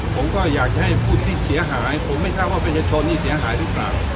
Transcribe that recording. ผมก็อยากจะให้ผู้ที่เสียหายผมไม่ทราบว่าประชาชนนี่เสียหายหรือเปล่า